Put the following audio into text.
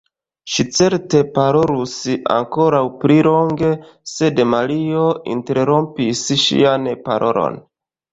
Ŝi certe parolus ankoraŭ pli longe, sed Mario interrompis ŝian parolon.